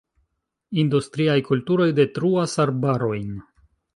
Industriaj kulturoj detruas arbarojn.